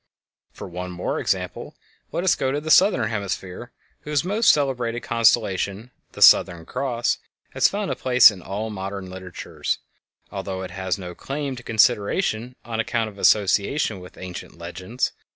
For one more example, let us go to the southern hemisphere, whose most celebrated constellation, the "Southern Cross," has found a place in all modern literatures, although it has no claim to consideration on account of association with ancient legends.